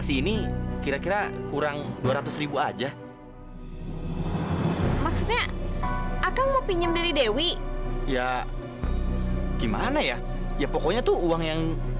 sampai jumpa di video selanjutnya